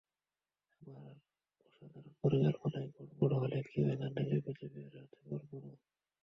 আমার অসাধারণ পরিকল্পনায় গড়বড় হলে কেউ এখান থেকে বেঁচে বের হতে পারব না।